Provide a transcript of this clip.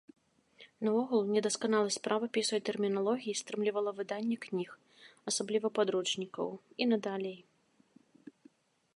Наогул, недасканаласць правапісу і тэрміналогіі стрымлівала выданне кніг, асабліва падручнікаў, і надалей.